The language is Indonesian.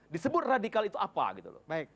disebut radikal itu apa gitu loh